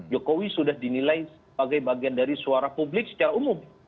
jokowi sudah dinilai sebagai bagian dari suara publik secara umum